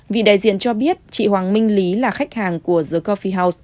vị đại diện cho biết chị hoàng minh lý là khách hàng của the cophe house